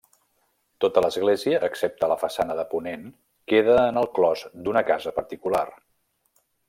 Tota l'església, excepte la façana de ponent, queda en el clos d'una casa particular.